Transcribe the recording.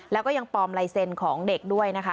แล้วก็ยังปลอมลายเซ็นต์ของเด็กด้วยนะคะ